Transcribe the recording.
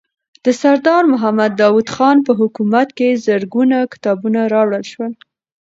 د سردار محمد داود خان په حکومت کې زرګونه کتابونه راوړل شول.